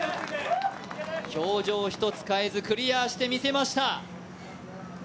表情一つ変えずクリアしてみせました。